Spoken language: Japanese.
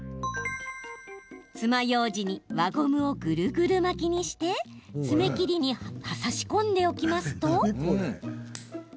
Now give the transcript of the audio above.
つまようじに輪ゴムをぐるぐる巻きにして爪切りに差し込んでおくと。